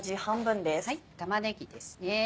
玉ねぎですね。